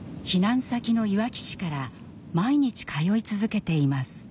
避難先のいわき市から毎日通い続けています。